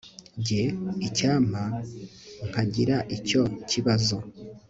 gee, icyampa nkagira icyo kibazo